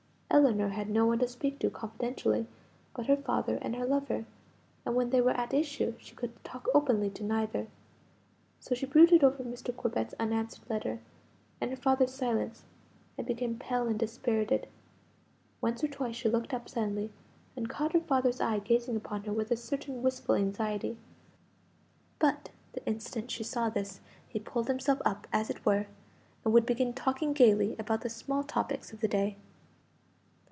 Ellinor had no one to speak to confidentially but her father and her lover, and when they were at issue she could talk openly to neither, so she brooded over Mr. Corbet's unanswered letter, and her father's silence, and became pale and dispirited. Once or twice she looked up suddenly, and caught her father's eye gazing upon her with a certain wistful anxiety; but the instant she saw this he pulled himself up, as it were, and would begin talking gaily about the small topics of the day.